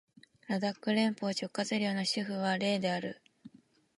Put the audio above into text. ラダック連邦直轄領の首府はレーである